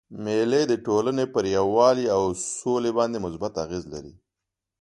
مېلې د ټولني پر یووالي او سولي باندي مثبت اغېز لري.